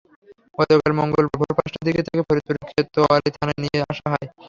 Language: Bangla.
গতকাল মঙ্গলবার ভোর পাঁচটার দিকে তাঁকে ফরিদপুর কোতোয়ালি থানায় নিয়ে আসা হয়।